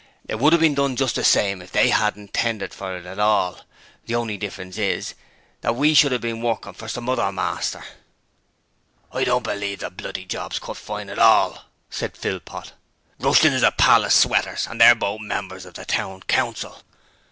It would 'ave been done just the same if they 'adn't tendered for it at all! The only difference is that we should 'ave been workin' for some other master.' 'I don't believe the bloody job's cut fine at all!' said Philpot. 'Rushton is a pal of Sweater's and they're both members of the Town Council.'